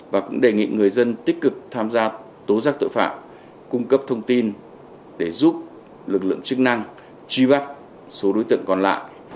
và cũng đề nghị người dân tích cực tham gia tố giác tội phạm cung cấp thông tin để giúp lực lượng chức năng truy bắt số đối tượng còn lại